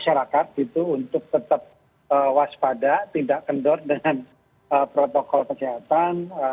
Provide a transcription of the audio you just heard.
masyarakat untuk tetap waspada tidak kendor dengan protokol kesehatan